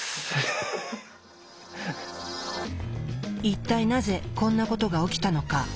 一体なぜこんなことがおきたのか？